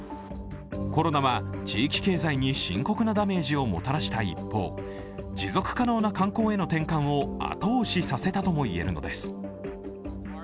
コロナは地域経済に深刻なダメージをもたらした一方持続可能な観光への転換を後押しさせたとも言えるのです。